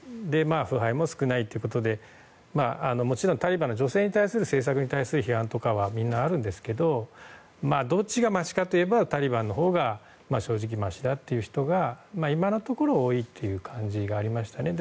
腐敗も少ないということでもちろん、タリバンの女性に対する政策への批判はあるんですけどどっちがましかといえばタリバンのほうが正直ましだという人が今のところ多いという感じがありました。